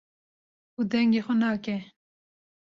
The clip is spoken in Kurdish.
û dengê xwe nake.